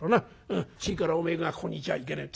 うんそれからおめえがここにいちゃいけねえ。